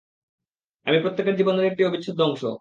আমি প্রত্যেকের জীবনের একটি অবিচ্ছেদ্য অংশ।